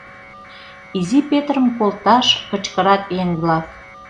Изи Петрым колташ! — кычкырат еҥ-влак.